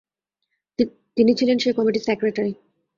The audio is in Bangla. তিনি ছিলেন সেই কমিটির সেক্রেটারি।